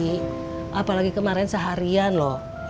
ibu puput ikut sibuk nyariin papa